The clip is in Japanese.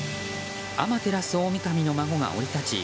アマテラスオオミカミの孫が降り立ち